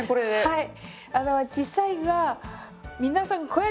はい。